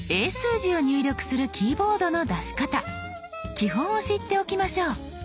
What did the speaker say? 基本を知っておきましょう。